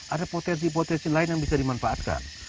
ada potensi potensi lain yang bisa dimanfaatkan